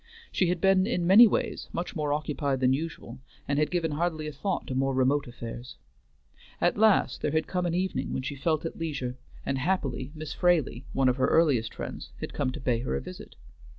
She had been in many ways much more occupied than usual, and had given hardly a thought to more remote affairs. At last there had come an evening when she felt at leisure, and happily Miss Fraley, one of her earliest friends, had come to pay her a visit.